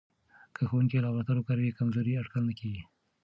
که ښوونکی لابراتوار وکاروي، کمزوری اټکل نه کېږي.